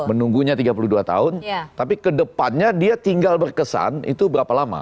menunggunya tiga puluh dua tahun tapi kedepannya dia tinggal berkesan itu berapa lama